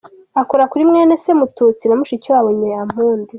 Akora kuri mwene Se Mututsi na mushiki wabo Nyampundu.